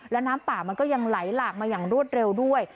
และน้ำป่ามันก็ยังไหลหลากมาอย่างรวดเร็วด้วย